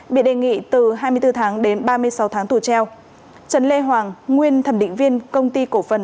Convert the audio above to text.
bị đề nghị từ hai mươi bốn tháng đến ba mươi sáu tháng tù treo trần lê hoàng nguyên thẩm định viên công ty cổ phần